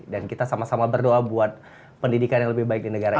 dan kita sama sama berdoa buat pendidikan yang lebih baik di negara ini